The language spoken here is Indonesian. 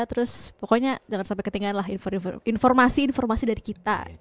terus pokoknya jangan sampai ketinggian lah informasi informasi dari kita